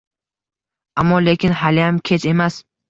Ammo-lekin haliyam kech emas.